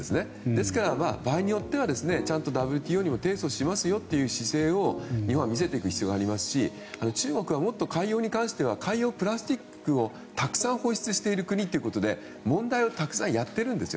ですから、場合によってはＷＴＯにも提訴しますよという姿勢を日本は見せていく必要がありますし中国はもっと海洋に関しては海洋プラスティックをたくさん放出している国ということで問題をたくさんやっているんです。